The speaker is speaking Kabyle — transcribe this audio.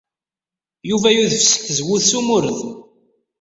Yuba yudef seg tzewwut s ummured.